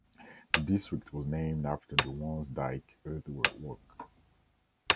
The district was named after the Wansdyke earthwork.